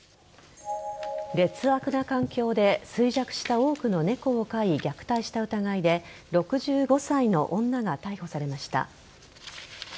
劣悪な環境で衰弱した多くの猫を飼い虐待した疑いで６５歳の女が逮捕されました。